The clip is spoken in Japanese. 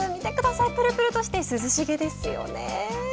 ぷるぷるしてて涼しげですよね。